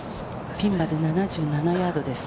ピンまで７７ヤードです。